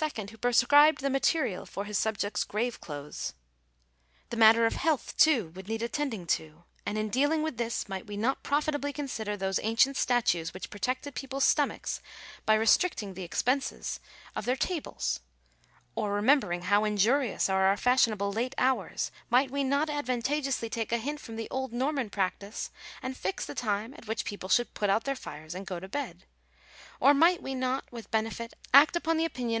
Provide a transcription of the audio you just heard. who pre scribed the material for his subjects' grave clothes. The matter of health, too, would need attending to ; and, in dealing with this, might we not profitably reconsider those ancient statutes which protected peoples' stomachs by restricting the expenses ' See Address to the British Association at Edinburgh, in 1850. Digitized by VjOOQIC TI|E LIMIT OF STATE DUTY. 287 of their tables : or, remembering how injurious are our fashion able late hours, might we not advantageously take a hint from the old Norman practice, and fix the time at which people should put out their fires and go to bed : or might we not with benefit act upon the opinion of M.